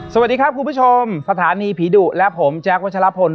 สวัสดีครับคุณผู้ชมสถานีผีดุและผมแจ๊ควัชลพล